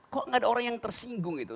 kok gak ada orang yang tersinggung itu